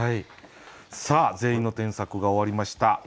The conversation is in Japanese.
さあ全員の添削が終わりました。